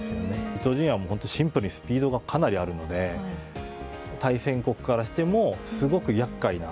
伊東純也はシンプルにスピードがかなりあるので、対戦国からしても、すごくやっかいな。